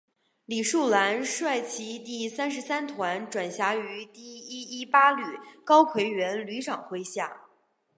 李树兰率其第三十三团转辖于第一一八旅高魁元旅长麾下。